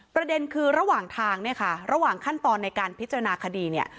ประเด็นคือระหว่างทางเนี่ยค่ะระหว่างขั้นตอนในการพิจารณาคดีเนี่ย